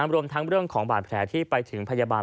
รวมทั้งเรื่องของบาดแผลที่ไปถึงพยาบาล